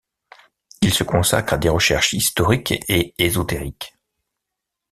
Il se consacre à des recherches historiques et ésotériques.